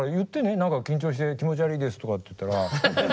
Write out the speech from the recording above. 何か緊張して気持ち悪いですとかって言ったら。